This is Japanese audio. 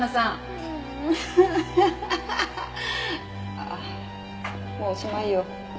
ああもうおしまいよ。